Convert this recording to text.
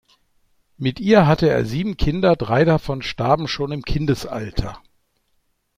Mit ihr hatte er sieben Kinder, drei davon starben schon im Kindesalter.